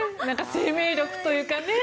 生命力というかね。